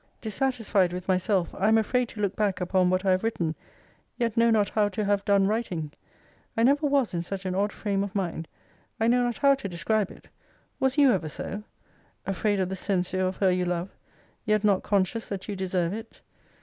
Dissatisfied with myself, I am afraid to look back upon what I have written: yet know not how to have done writing. I never was in such an odd frame of mind. I know not how to describe it. Was you ever so? Afraid of the censure of her you love yet not conscious that you deserve it?